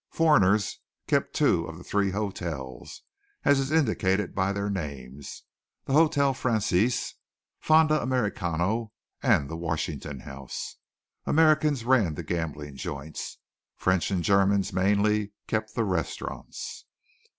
Foreigners kept two of the three hotels, as is indicated by their names Hotel Française, Fonda Americano, and the Washington House. Americans ran the gambling joints. French and Germans, mainly, kept the restaurants.